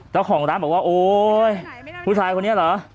เจ้าของร้านบอกว่าโอ๊ยผู้ชายคนนี้เหรอ